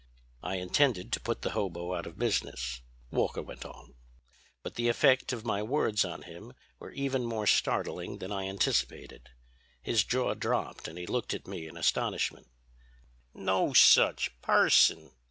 "I intended to put the hobo out of business," Walker went on, "but the effect of my words on him were even more startling than I anticipated. His jaw dropped and he looked at me in astonishment. "'No such person!'